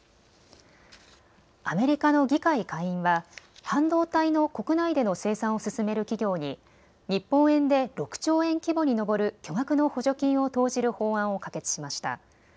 アメリカの議会下院は半導体の国内での生産を進める企業に日本円で６兆円規模に上る、巨額の補助金を投じる法案を可決しました。